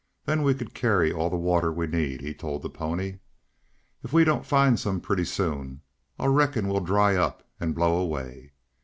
Then we could carry all the water we need," he told the pony. "If we don't find some pretty soon I reckon we'll dry up and blow away.